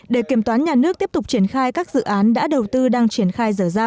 để kiểm toán nhà nước tiếp tục triển khai các dự án đã đầu tư đang triển khai